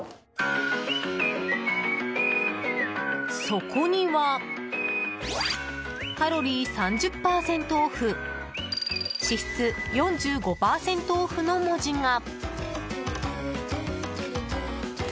そこには「カロリー３０％オフ脂質４５％オフ」の文字が。